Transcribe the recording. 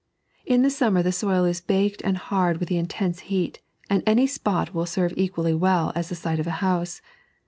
In the summer the soil is baked and hard with the intense heat, and any spot will serve equally well as the site of a house.